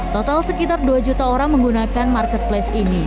total sekitar dua juta orang menggunakan marketplace ini